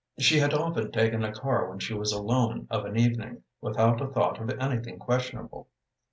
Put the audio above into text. She had often taken a car when she was alone of an evening, without a thought of anything questionable.